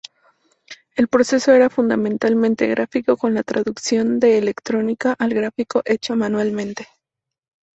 El proceso era fundamentalmente gráfico, con la traducción de electrónica al gráfico hecho manualmente.